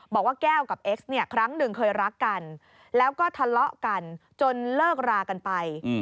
บอกว่าแก้วกับเอ็กซ์เนี่ยครั้งหนึ่งเคยรักกันแล้วก็ทะเลาะกันจนเลิกรากันไป